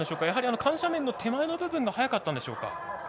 やはり緩斜面の手前の部分が速かったんでしょうか。